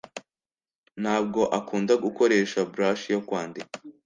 Ntabwo akunda gukoresha brush yo kwandika.